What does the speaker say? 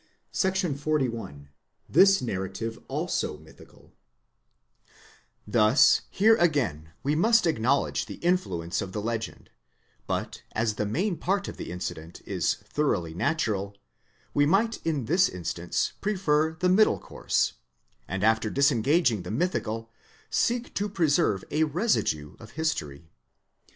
τοῦ PART I. CHAPTER V. § 41. ν THIS NARRATIVE ALSO MYTHICAL _ Thus here again we must acknowledge the influence of the legend; but as the main part of the incident is thoroughly natural, we might in this instance Ὁ prefer the middle course, and after disengaging the mythical, seek to preserve a residue of history.